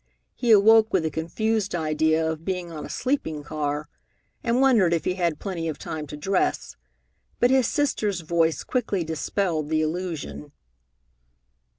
He awoke with a confused idea of being on a sleeping car, and wondered if he had plenty of time to dress, but his sister's voice quickly dispelled the illusion.